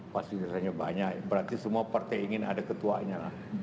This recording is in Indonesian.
pastinya banyak berarti semua partai ingin ada ketuanya lah